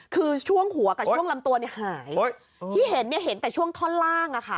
คือช่วงหัวกับช่วงลำตัวหายที่เห็นเนี่ยเห็นแต่ช่วงท่อนล่าง